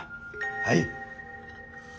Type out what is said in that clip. はい。